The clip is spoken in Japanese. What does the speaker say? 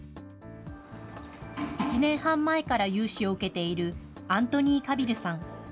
１年半前から融資を受けているアントニー・カビルさん。